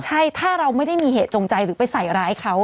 ใช่ถ้าเราไม่ได้มีเหตุจงใจหรือไปใส่ร้ายเขา